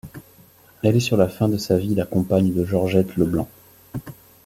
Elle est sur la fin de sa vie la compagne de Georgette Leblanc.